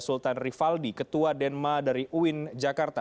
sultan rivaldi ketua denma dari uin jakarta